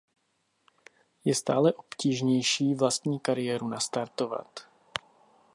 Je stále obtížnější vlastní kariéru nastartovat.